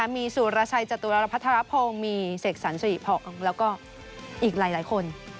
มีศูรชัยและจตุรัพธรพงษ์มีเศกศรรสวิปภังแล้วก็อีกหลายคน